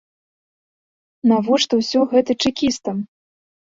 Навошта ўсё гэта чэкістам?